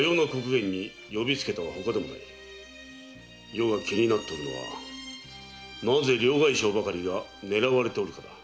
余が気になっておるのはなぜ両替商ばかりが狙われておるかだ。